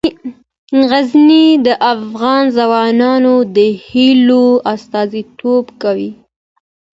غزني د افغان ځوانانو د هیلو استازیتوب کوي.